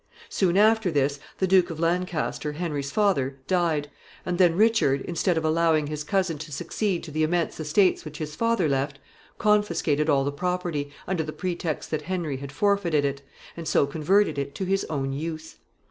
] Soon after this, the Duke of Lancaster, Henry's father, died, and then Richard, instead of allowing his cousin to succeed to the immense estates which his father left, confiscated all the property, under the pretext that Henry had forfeited it, and so converted it to his own use.